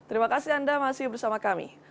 terima kasih anda masih bersama kami